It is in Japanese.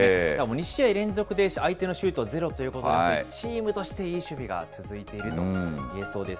２試合連続で相手のシュートはゼロということになってくると、チームとして、いい守備が続いているといえそうです。